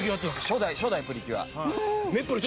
初代『プリキュア』。